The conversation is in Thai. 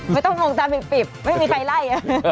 ไม่ต้องห่วงตาปิบไม่มีใครไล่